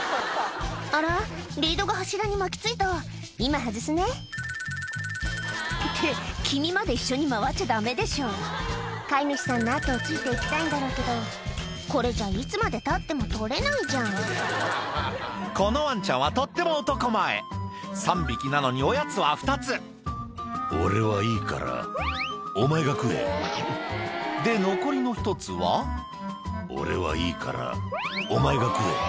「あらリードが柱に巻きついた今外すね」って君まで一緒に回っちゃダメでしょ飼い主さんの後をついていきたいんだろうけどこれじゃいつまでたっても取れないじゃんこのワンちゃんはとっても男前３匹なのにおやつは２つ「俺はいいからお前が食え」で残りの１つは「俺はいいからお前が食え」